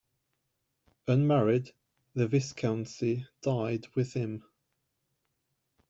Unmarried, the viscountcy died with him.